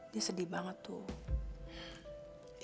dia sedih banget tuh